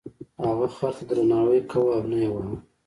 هغه خر ته درناوی کاوه او نه یې واهه.